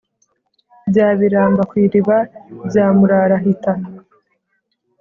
bya biramba kw’iriba bya murarahita*,